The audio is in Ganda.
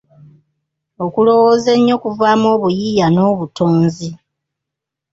Okulowoza ennyo kuvaamu obuyiiya n'obutonzi.